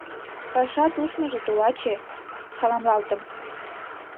— Пашат ушныжо, тулаче! — саламлалтым.